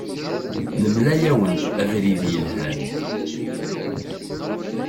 Nemla-awen-d abrid yelhan.